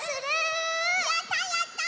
やったやった！